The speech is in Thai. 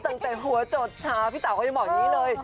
ตั้งแต่หัวจดช้าพี่เต๋าก็ยังบอกอย่างนี้เลย